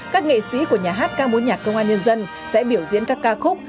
các nghệ sĩ của nhà hát ca mối nhạc công an nhân dân sẽ biểu diễn các ca khúc